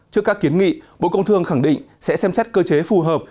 trước các kiến nghị bộ công thương khẳng định sẽ xem xét cơ chế phù hợp